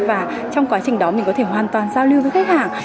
và trong quá trình đó mình có thể hoàn toàn giao lưu giữa khách hàng